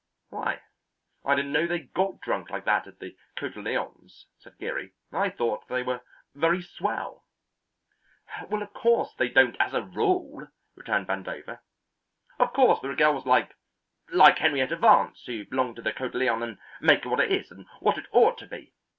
"Why, I didn't know they got drunk like that at the Cotillons," said Geary. "I thought they were very swell." "Well, of course, they don't as a rule," returned Vandover. "Of course there are girls like like Henrietta Vance who belong to the Cotillon and make it what it is, and what it ought to be.